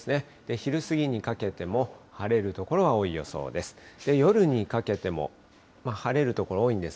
昼過ぎにかけても、晴れる所が多い予想です。